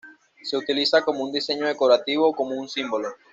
Se utiliza como un diseño decorativo o como un símbolo.